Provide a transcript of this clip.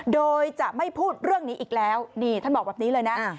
โดยจะไม่พูดเรื่องนี้อีกแล้วนี่ท่านบอกแบบนี้เลยนะ